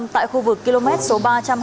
tại khu vực km số ba trăm hai mươi tám